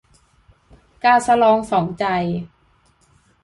กาสะลองสองใจ